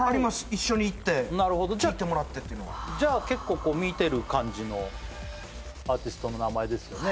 一緒に行って聴いてもらってっていうのは結構見てる感じのアーティストの名前ですよね